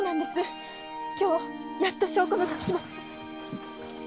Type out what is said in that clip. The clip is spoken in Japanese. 今日やっと証拠の隠し場所が。